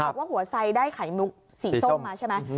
บอกว่าหัวไซดได้ไข่มุกสีส้มมาใช่ไหม